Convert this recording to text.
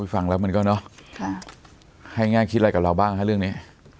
ฟังแล้วมันก็เนอะให้แง่คิดอะไรกับเราบ้างฮะเรื่องนี้